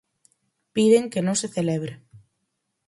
Piden que non se celebre.